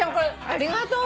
ありがとう。